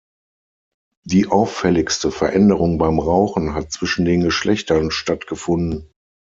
Die auffälligste Veränderung beim Rauchen hat zwischen den Geschlechtern stattgefunden.